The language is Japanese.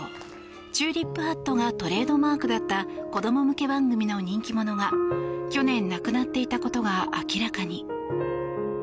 チューリップハットがトレードマークだった子ども向け番組の人気者が去年、亡くなっていたことが明らかに。